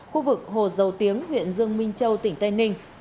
khu vực hồ dầu tiếng huyện dương minh châu tỉnh tây ninh